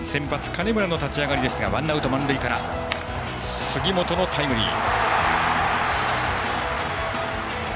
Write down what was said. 金村の立ち上がりですがワンアウト、満塁から杉本のタイムリー。